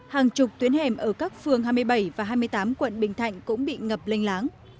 hàng chục tuyến hẻm ở các phường hai mươi bảy và hai mươi tám quận bình thạnh cũng bị ngập linh láng